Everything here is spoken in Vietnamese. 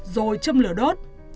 rồi châm lửa đốt